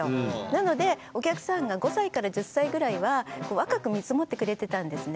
なのでお客さんが５歳から１０歳ぐらいは若く見積もってくれてたんですね。